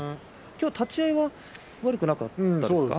今日は立ち合いは悪くなかったですか。